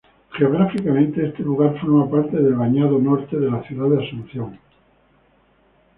Geográficamente, este lugar forma parte del Bañado Norte de la ciudad de Asunción.